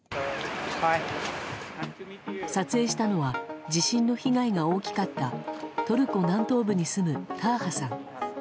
撮影したのは地震の被害が大きかったトルコ南東部に住むターハさん。